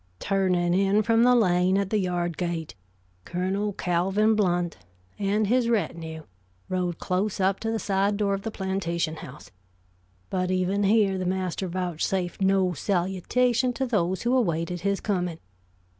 Turning in from the lane at the yard gate, Colonel Calvin Blount and his retinue rode close up to the side door of the plantation house; but even here the master vouchsafed no salutation to those who awaited his coming.